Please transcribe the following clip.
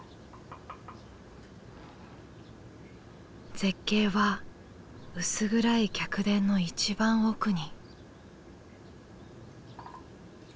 絶景は薄暗い客殿の一番奥に。